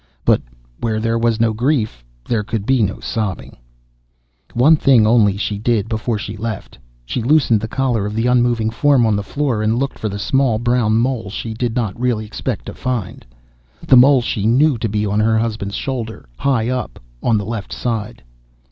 But where there was no grief there could be no sobbing ... One thing only she did before she left. She unloosed the collar of the unmoving form on the floor and looked for the small brown mole she did not really expect to find. The mole she knew to be on her husband's shoulder, high up on the left side.